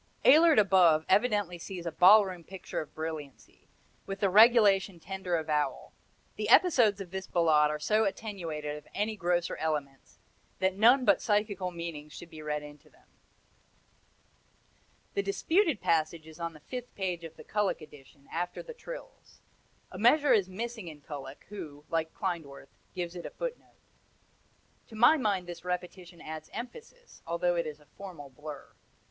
Ehlert above evidently sees a ballroom picture of brilliancy, with the regulation tender avowal. The episodes of this Ballade are so attenuated of any grosser elements that none but psychical meanings should be read into them. The disputed passage is on the fifth page of the Kullak edition, after the trills. A measure is missing in Kullak, who, like Klindworth, gives it in a footnote. To my mind this repetition adds emphasis, although it is a formal blur.